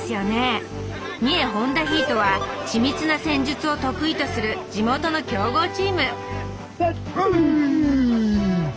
三重ホンダヒートは緻密な戦術を得意とする地元の強豪チームおい！